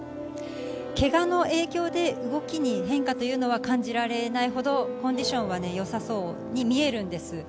けがの影響で動きに変化というのは感じられないほどコンディションは良さそうに見えるんです。